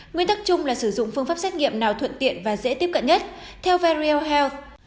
nguyên tắc chung là sử dụng phương pháp xét nghiệm nào thuận tiện và dễ tiếp cận nhất theo ver health